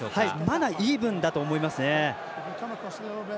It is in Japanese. まだイーブンだと思います。